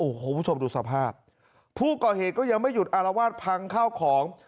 โอ้ระหวยทุกผู้ชมดูสภาพผู้ก่อเหตุก็ยังไม่จุดอารวาดพังเข้าของ